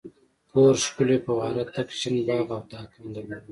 کور ښکلې فواره تک شین باغ او تاکان درلودل.